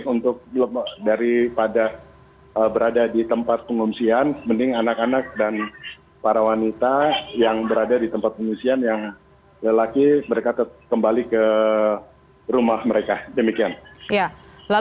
untuk para pengusaha